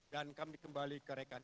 dan kami kembali ke rekan